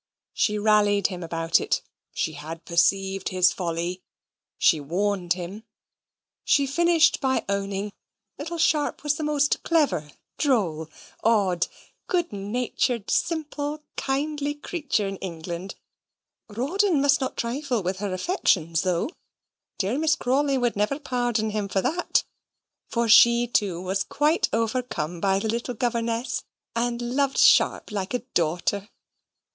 She rallied him about it; she had perceived his folly; she warned him; she finished by owning that little Sharp was the most clever, droll, odd, good natured, simple, kindly creature in England. Rawdon must not trifle with her affections, though dear Miss Crawley would never pardon him for that; for she, too, was quite overcome by the little governess, and loved Sharp like a daughter.